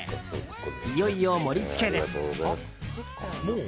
いよいよ盛り付けです。